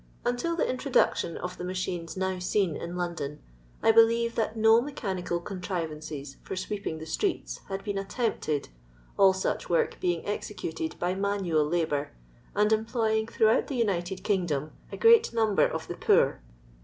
tTimL the introduction of the machines now seen in London, I believe tliat no mechanical contrivances for sweeping the streets had been attempted, all such work being ezecntcd by manual labour, and employing throughout the United Kingdom a great number of the poor.